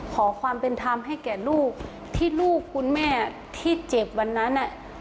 ขอความเป็นธรรมให้แก่ลูกที่ลูกคุณแม่ที่เจ็บวันนั้น